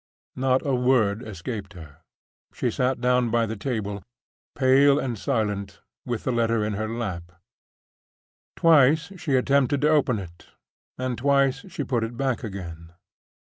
Not a word escaped her. She sat down by the table, pale and silent, with the letter in her lap. Twice she attempted to open it, and twice she put it back again.